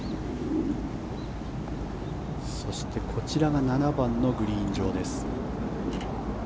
そして、こちらが７番のグリーン上です。